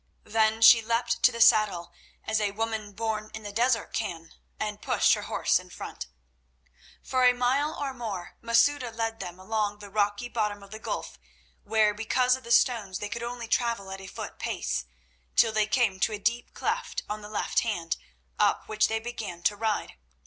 Then she leapt to the saddle as a woman born in the desert can, and pushed her horse in front. For a mile or more Masouda led them along the rocky bottom of the gulf, where because of the stones they could only travel at a foot pace, till they came to a deep cleft on the left hand, up which they began to ride.